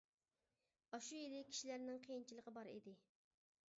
ئاشۇ يىلى كىشىلەرنىڭ قىيىنچىلىقى بار ئىدى.